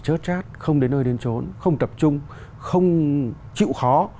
chốt chát không đến nơi đến trốn không tập trung không chịu khó